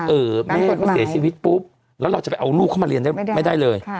ไม่ใช่ว่าเสียชีวิตปุ๊บแล้วเราจะไปเอาลูกเข้ามาเรียนไม่ได้เลย